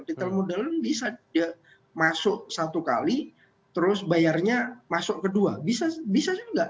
retail modern bisa masuk satu kali terus bayarnya masuk kedua bisa juga